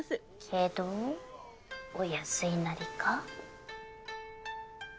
けどお安いなりか？